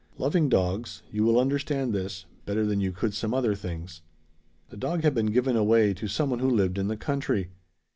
Loving dogs, you will understand this better than you could some other things. "The dog had been given away to some one who lived in the country.